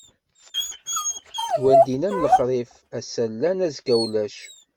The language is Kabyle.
Lwaldin am lexrif, ass-a llan, azekka ulac.